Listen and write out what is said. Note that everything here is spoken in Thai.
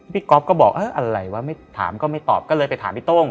ก๊อฟก็บอกอะไรวะไม่ถามก็ไม่ตอบก็เลยไปถามพี่โต้ง